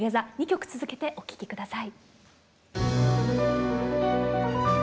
２曲続けてお聴き下さい。